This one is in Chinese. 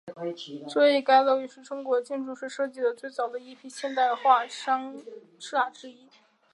所以该楼也是中国建筑师设计的最早的一批现代化商厦之一。